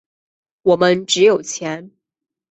我们只有钱。